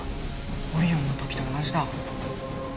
オリオンのときと同じだ。